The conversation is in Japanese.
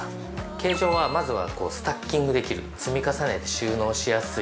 形状はスタッキングできる積み重ねて収納しやすい。